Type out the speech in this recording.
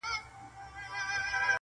پر ګودر دي مېلمنې د بلا سترګي-